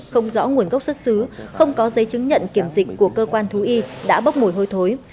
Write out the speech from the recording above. không rõ nguồn gốc xuất xứ không có giấy chứng nhận kiểm dịch của cơ quan thú y đã bốc mùi hôi thối